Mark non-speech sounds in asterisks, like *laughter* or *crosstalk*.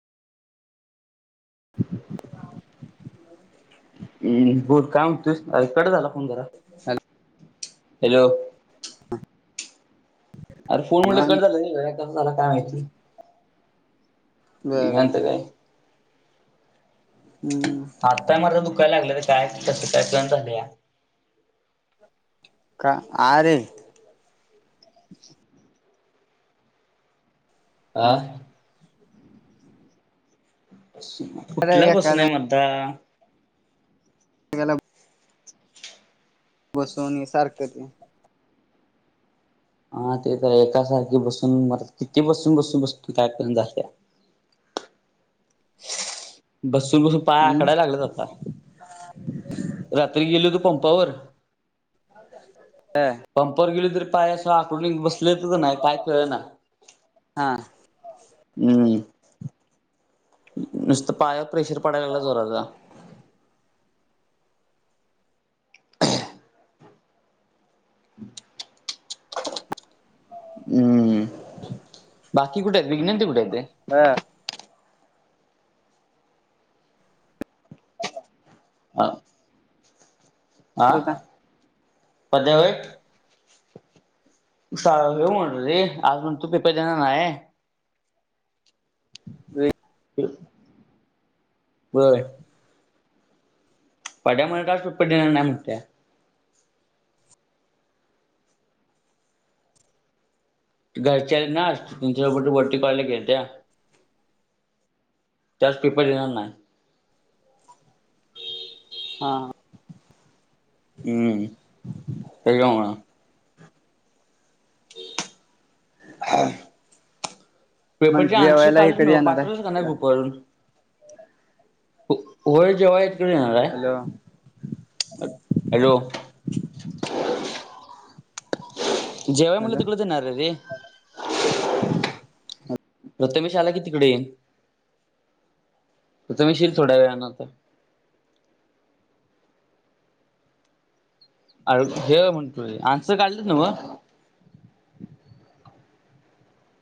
हो. हम्म बोल काय म्हतेस अ कट झाला फोन जरा हॅलो. हम्. अरे फोन म्हटलं कट झालं कं झाला काय माहिती बर निघायचं काय? हा. आताय म दुखायला लागलं तर काय कस काय कण झालं या. का आरे आह. अरे कुठला एका बसून आहे म्हणता. *unintelligible* बसवून सारखं हा ते तर एकासारखे बसून मला किती बसून बसून बसतो काय पर्यंत झाल्या. बसून बसून पाय हम्म आकडायला लागले आता रात्री गेली तू पंपावर हा. पंपवर गेल तरी पाय अस आकडून बसलेच नाही काय कळ ना. हा हम्म. नुसतं पायावर प्रेशर पडायला लागलाच जोराचं हम्म बाकी कुठे आहेत विज्ञन ते कुठे आहेतेत ते. हा. आ होता पद्या वय येऊ म्हण र रे आज मण तू पेपे जाणार ना आहे. ते बर. पड्यामुळे राासपट देणार नाही म्हण त्या घरच्या नाते तच्यापट वरटी कयला घेेत. त्याच पेपर देणार नाही. हा. हम्म. तेळगवंगणाळा *unintelligible* मग पेपरचे आनशर जेवायला हे काढले कधी न येणार पाठवलंच का नाही आहे घुपर *unintelligible* होय जेव्हा इतकडे येणार आहेय. हॅलो हॅलो, जेवय म्हटले हॅलो तिकडे च येणार रे. प्रथमेश आला की तिकडे येईल. तु येशील थोड्या वेळान तर अर हे म्हणतुे आन्सर काढलेत ना मग.